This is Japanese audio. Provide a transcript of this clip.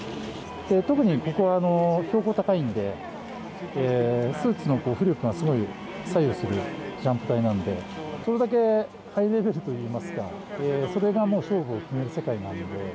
特にここは標高高いんで、スーツの浮力がすごい左右するジャンプ台なんで、それだけハイレベルといいますか、それがもう、勝負を決める世界なんで。